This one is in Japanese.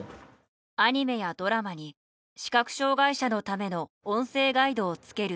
アニメやドラマに視覚障がい者のための音声ガイドを付ける仕事です。